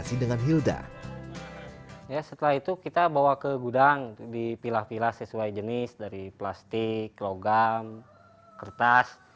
setelah itu kita bawa ke gudang dipilah pilah sesuai jenis dari plastik logam kertas